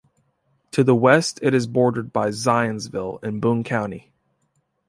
To the west it is bordered by Zionsville in Boone County.